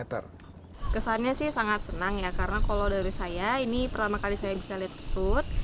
kesannya sih sangat senang ya karena kalau dari saya ini pertama kali saya bisa lihat food